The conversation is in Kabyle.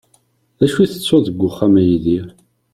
D acu i tettuḍ deg wexxam, a Yidir?